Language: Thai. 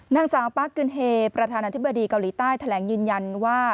นางสาวปาร์คกึนเฮประธานาธิบดีเกาหลีใต้แถลงยืนยันว่า